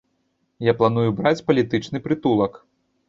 Я планую браць палітычны прытулак.